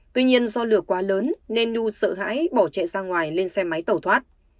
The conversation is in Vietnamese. tuy nhiên do lửa quá lớn nên nhu sợ hãi bỏ chạy ra ngoài lên xe máy tẩu thoát